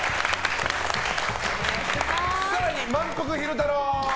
更にまんぷく昼太郎！